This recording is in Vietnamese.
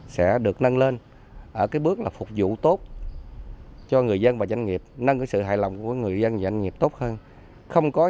sẽ được nâng lên ở cái bước là phục vụ tốt cho người dân và doanh nghiệp nâng cái sự hài lòng của người dân và doanh nghiệp tốt hơn